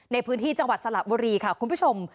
ในพื้นที่จังหวัดสระบุรีค่ะคุณผู้ชม